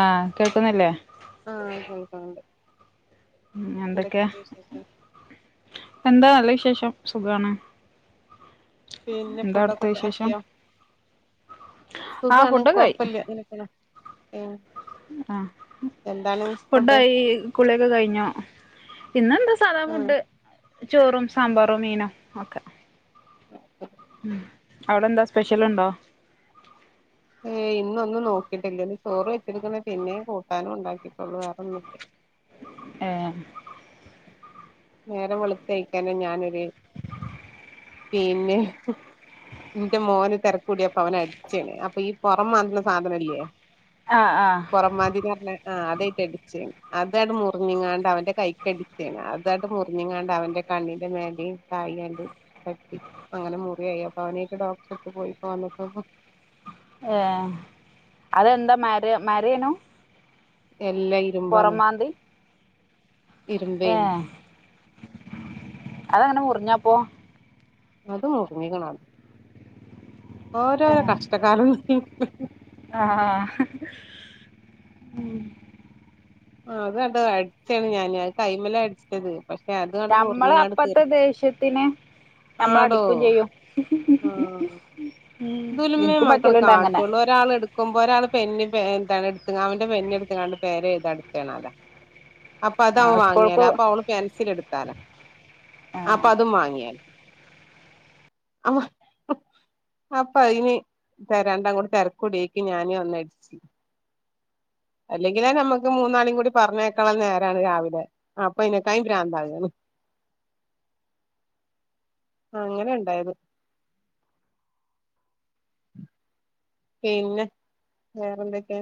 ആ കേൾക്കുന്നില്ലേ? ആ കേൾക്ക്ണുണ്ട് ഉം എന്തൊക്കെയ എന്താ നല്ല വിശേഷം. ഷം സുഖാണ്. പിന്നെ എന്താ ഫുഡ് അവിടുത്തെ ഒക്കെ വിശേഷം ആക്കിയോ ആ സുഖാണ് ഫുഡൊക്കെ ആയി കുയ്പ്പില്ല ഉം ആ എന്താണ് ഫുഡ് ഫുഡായി കുളിയൊക്കെ കഴിഞ്ഞോ? പിന്ന എന്താ സാധാ ആഹ് ഫുഡ് ചോ ഉം ഹേയ് ഇന്നൊന്നും നോക്കിട്ടില്ല ഇന്ന് ചോറ് വെച്ചിടുക്കണ പിന്നെ കൂട്ടാനും ഉണ്ടാക്കിട്ടുള്ളൂ വേറൊന്നുല്ല. ഏ നേരം വെളുത്തഴക്കന്നെ ഞാനൊര് പിന്നെ ന്റെ മോന് തെരക്കൂടിയപ്പൊ അവനെ അടിച്ച് ഞാന് അപ്പൊ ഈ പൊറം മാത്ണ സാധനല്ലേ ആ ആ പൊറംമാ ആ അതയിട്ട് അടിച്ച് അ തായിട്ട് മുറിഞ്ഞങ്ങാണ്ട് അവന്റെ കണ്ണിന്റെ മേലിം തായിയായിട്ട് തട്ടി അങ്ങനെ മുറിയായി അപ്പൊ അവനേയിട്ട് ഡോക്ടർ എടുത്ത് പോയി ഇപ്പോ വന്നിട്ടുള്ളൂ. ഏ അതെന്താ മര മര എല്ലാ ഇരുമ്പാണ്. ഏ ഇര്ബേൻ അതങ്ങനെ മുറിഞ്ഞപ്പോ അത് മു ഓരോ ഏ ആ ആ ആ അതാണ്ട് അടിച്ചാണ് ഞാന് അത് കൈമേലാ അടിച്ചത് പക്ഷെ അതാണ്ട് നമ്മള് മുറിഞ്ഞങ്ങാണ്ട് തീർ അപ്പത്തെ ദേഷ്യത്തിന് നമ്മൾ ആടോ അടിക്കും ചെയ്യും. ന്തേലുമ്മേ എനിക്കും മക്കൾ പറ്റലുണ്ട് അങ്ങനെ കാട്ടുള്ളൂ ഒരാൾ എടുക്കുമ്പോ ഒരാൾ പെന്നെ എന്താണ് എടുത്ത് അവന്റെ പെന്നെടുത്തെങ്ങാണ്ട് പേരെഴുതണ്ടിക്കാണ് അവിടെ അപ്പൊ അത് അവൻ വാങ്ങിയാല സ്കൂൾക്ക് അപ്പൊ ആ [unintelligible] അപ്പൊ അതിന് രണ്ടാംകൂടി തിരക്കൂടിയേക്ക് ഞാനേ ഒന്നടിച്ചു ആ അങ്ങനെണ്ടായത് പിന്നെ വേറെന്തൊക്കെയ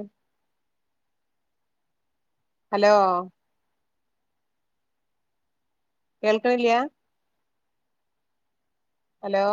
ഹലോ കേൾക്കണില്യ ഹലോ